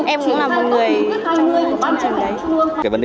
em cũng là một người trong chương trình đấy